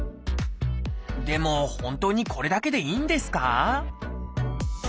でも本当にこれだけでいいんですか？